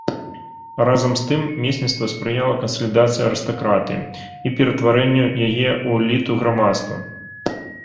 Разам з тым месніцтва спрыяла кансалідацыі арыстакратыі і ператварэнню яе ў эліту грамадства.